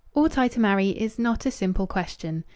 _ "Ought I to marry?" is not a simple question.